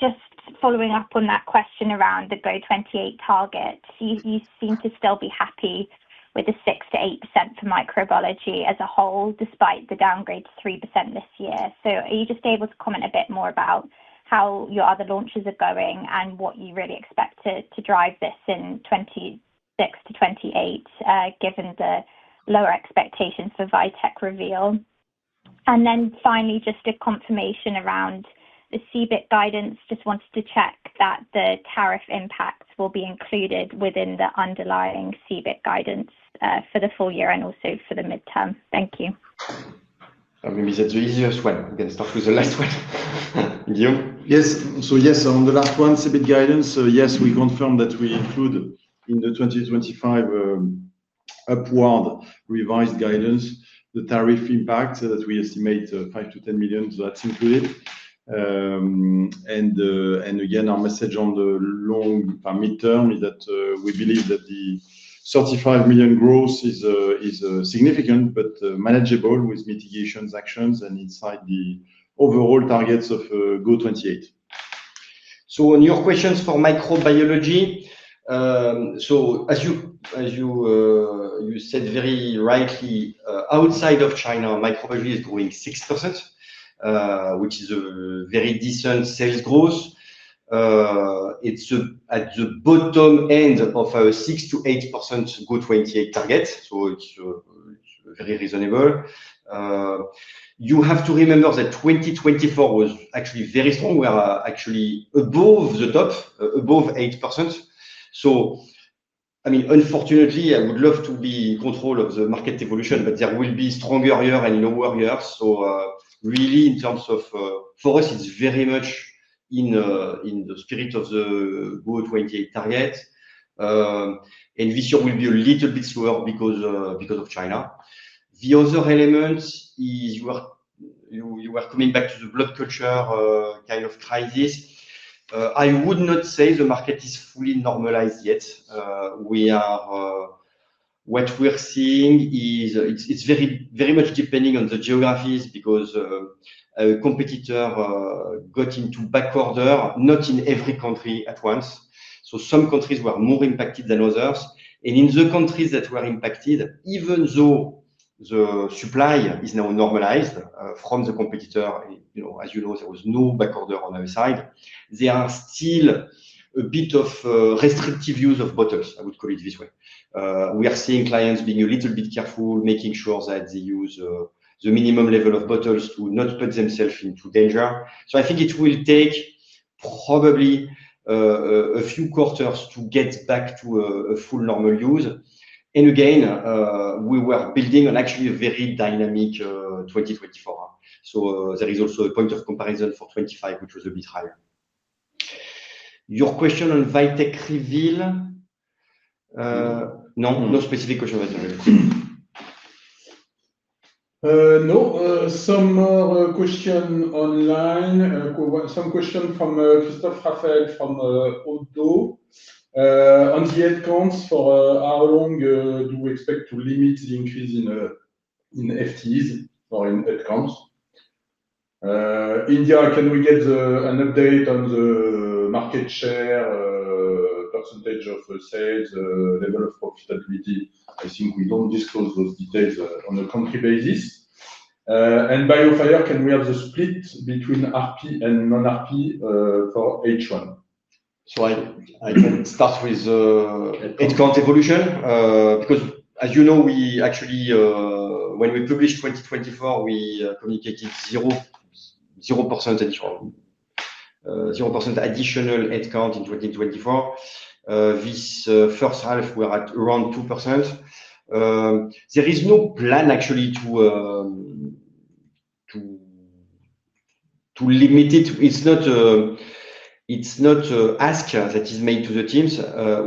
just following up on that question around the GO 28 target. You seem to still be happy with the 6% to 8% for microbiology as a whole despite the downgrade to 3% this year. So are you just able to comment a bit more about how your other launches are going and what you really expect to drive this in '26 to '28, given the lower expectations for Vitek Reveal? And then finally, just a confirmation around the CBIK guidance. Just wanted to check that the tariff impact will be included within the underlying CBIK guidance for the full year and also for the midterm. Thank you. I mean, is that the easiest one? Let's start with the last one. You? Yes. So, yes, on the last one, EBIT guidance. So, we confirm that we include in the 2025 upward revised guidance The tariff impact that we estimate five to 10,000,000, so that's included. And and, again, our message on the long and midterm is that we believe that the 35,000,000 growth is is significant, but manageable with mitigations actions and inside the overall targets of go '28. So on your questions for microbiology, so as you as you you said very rightly, outside of China, microbial is growing 6%, which is a very decent sales growth. It should at the bottom end of our six to 8% go '28 target, so it's very reasonable. You have to remember that 2024 was actually very strong. We are actually above the dot, above 8%. So, I mean, unfortunately, I would love to be in control of market evolution, but there will be stronger here and lower here. So, really, in terms of for us, it's very much in in the spirit of the goal '28 target. And this year, we'll be a little bit slower because because of China. The other elements is you are you you are coming back to the blood culture kind of crisis. I would not say the market is fully normalized yet. We are what we are seeing is it's it's very very much depending on the geographies because a competitor got into back order, not in every country at once. So some countries were more impacted than others. And in the countries that were impacted, even though the supply is now normalized from the competitor, know, as you know, there was no back order on our side. There are still a bit of restrictive use of bottles, I would call it this way. We are seeing clients being a little bit careful, making sure that they use the minimum level of bottles to not put themselves into danger. So I think it will take probably a few quarters to get back to a a full normal use. And, again, we were building on actually a very dynamic 2024. So that is also a point of comparison for '25, which was a bit higher. Your question on Vitek reveal? No. No specific question, I'm sorry. No. Some question online. Some question from Christophe Haffet from ODDO. On the accounts for how long do we expect to limit the increase in the in the FTS or in the accounts? India, can we get an update on the market share percentage of sales, level of profitability. I think we don't disclose those details on a country basis. And by your fire, can we have the split between RP and non RP for h one? So I I can start with headcount evolution because, as you know, we actually when we published 2024, we communicated 00% additional 0% additional headcount in 2024. This first half, we're at around 2%. There is no plan actually to to to limit it. It's not it's not ask that is made to the teams.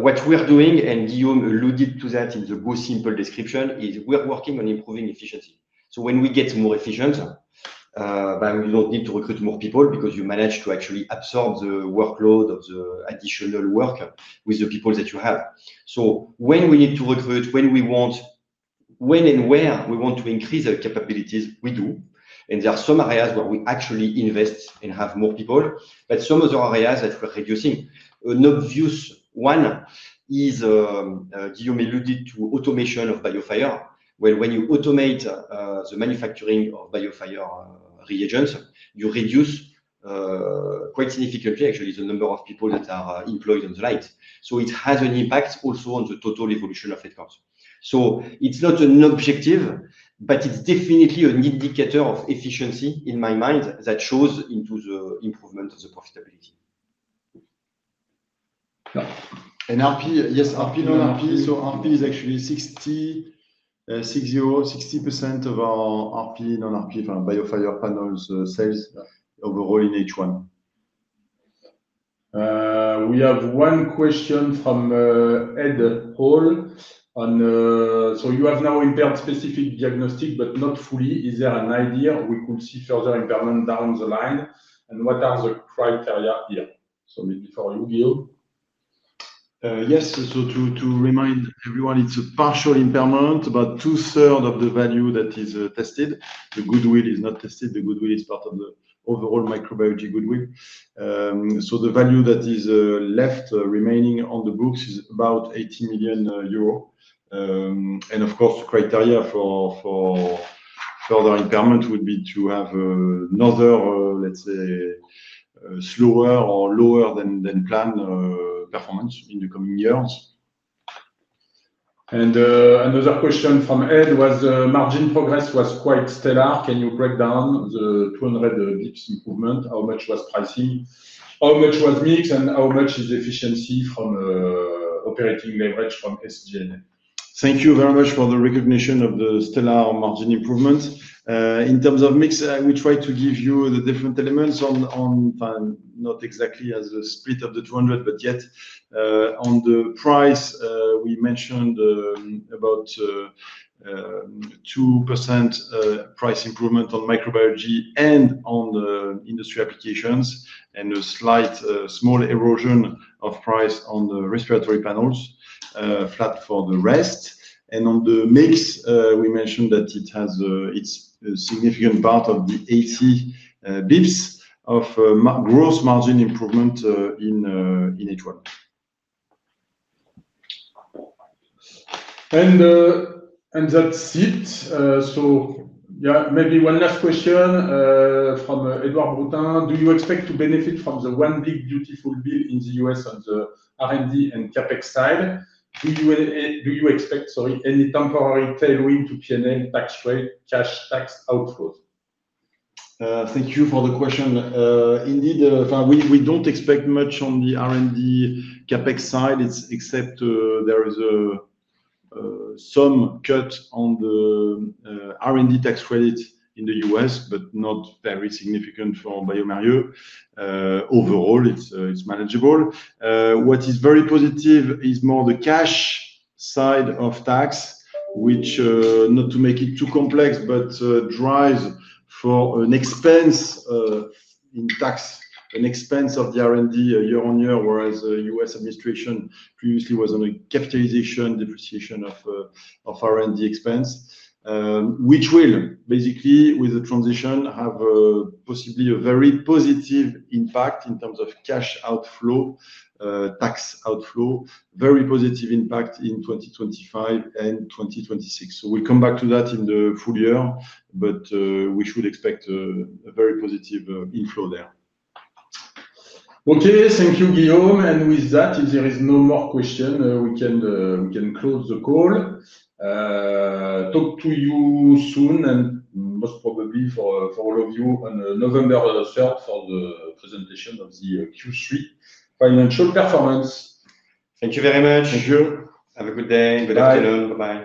What we are doing, and you alluded to that in the most simple description, is we are working on improving efficiency. So when we get more efficient, but we don't need to recruit more people because you manage to actually absorb the workload of the additional worker with the people that you have. So when we need to recruit, when we want when and where we want to increase our capabilities, we do. And there are some areas where we actually invest and have more people. But some of the areas that we're reducing, an obvious one is you alluded to automation of BioFire, where when you automate the manufacturing of BioFire reagents, you reduce quite significantly, actually, the number of people that are employed on the light. So it has an impact also on the total evolution of it cost. So it's not an objective, but it's definitely an indicator of efficiency in my mind that shows into the improvement of the profitability. And RP yes. RP, non RP. So RP is actually 66, 60% of our RP, non RP from BioFire panels sales overall in h one. We have one question from Ed Paul on so you have now impaired specific diagnostic, but not fully. Is there an idea we could see further impairment down the line? And what are the criteria here? So maybe for you, Gil. Yes. So to to remind everyone, it's a partial impairment, about two third of the value that is tested. The goodwill is not tested. The goodwill is part of the overall microbiology goodwill. So the value that is left remaining on the books is about €80,000,000. And, of course, criteria for for further empowerment would be to have another, let's say, slower or lower than than planned performance in the coming years. And another question from Ed was the margin progress was quite stellar. Can you break down the 200 bps improvement? How much was pricing? How much was mix and how much is efficiency from operating leverage from SG and and A? A? Thank you very much for the recognition of the stellar margin improvement. In terms of mix, we try to give you the different elements on on not exactly as a split of the 200, but yet on the price, we mentioned about 2% price improvement on microbiology and on the industry applications and a slight small erosion of price on the respiratory panels, flat for the rest. And on the mix, we mentioned that it has a it's a significant part of the AC bps of gross margin improvement in in h one. And that's it. So, yeah, maybe one last question from Edward Bruton. Do you expect to benefit from the one big beautiful deal in The US on the r and d and CapEx side? Do you do you expect, sorry, any temporary tailwind to P and L tax rate, cash tax output? Thank you for the question. Indeed, we we don't expect much on the r and d CapEx side. It's except there is some cut on the r and d tax credit in The US, but not very significant for BioMario. Overall, it's it's manageable. What is very positive is more the cash side of tax, which not to make it too complex, but drive for an expense in tax, an expense of the r and d year on year, whereas the US administration previously was on a capitalization, depreciation of of r and d expense, which will basically, with the transition, have possibly a very positive impact in terms of cash outflow, tax outflow, very positive impact in 2025 and 2026. So we'll come back to that in the full year, but we should expect a very positive inflow there. Okay. Thank you, Guillaume. And with that, if there is no more question, we can we can close the call. Talk to you soon and most probably for for all of you on November for the presentation of the q three financial performance. Thank you very much. Thank you. Have a good day. Good afternoon. Bye bye.